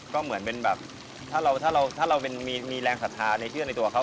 ก็เหมือนเป็นแบบถ้าเรามีแรงศรัทธาในเชื่อในตัวเขา